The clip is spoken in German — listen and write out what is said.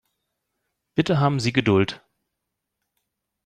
Bitte haben Sie Geduld.